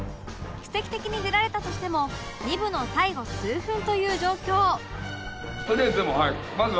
奇跡的に出られたとしても２部の最後数分という状況